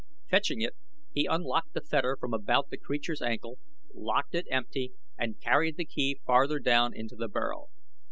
Fetching it he unlocked the fetter from about the creature's ankle, locked it empty and carried the key farther down into the burrow.